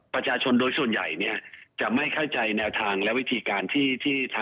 ประชาชนโดยส่วนใหญ่เนี่ย